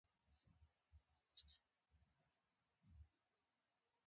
ما ته دوه سوه لیرې راکړه، مخامخ اتریش ته ځم.